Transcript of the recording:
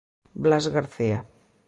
Blas García.